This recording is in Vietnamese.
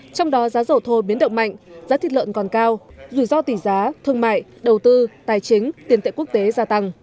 trong đó giá dầu thô biến động mạnh giá thịt lợn còn cao rủi ro tỷ giá thương mại đầu tư tài chính tiền tệ quốc tế gia tăng